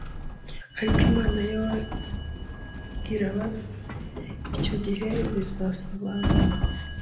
ariko Imana yo irabazi. Icyo gihe bizasobanuka